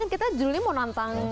kita judulnya mau nantang